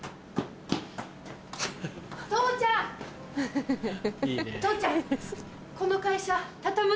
父ちゃん！